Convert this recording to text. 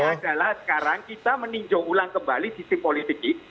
adalah sekarang kita meninjau ulang kembali sisi politik kita